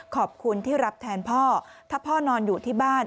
ขอบคุณที่รับแทนพ่อถ้าพ่อนอนอยู่ที่บ้าน